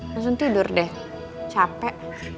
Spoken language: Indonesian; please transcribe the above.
langsung tidur deh capek